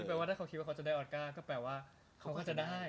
แปลว่าถ้าเขาคิดว่าเขาจะได้ออสการ์ก็แปลว่าเขาก็จะได้